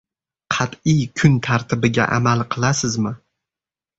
Qatʼiy kun tartibiga amal qilasizmi?